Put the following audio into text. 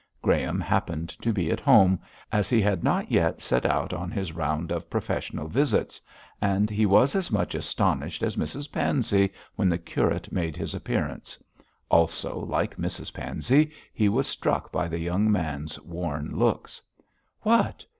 Graham happened to be at home, as he had not yet set out on his round of professional visits, and he was as much astonished as Mrs Pansey when the curate made his appearance. Also, like Mrs Pansey, he was struck by the young man's worn looks. 'What!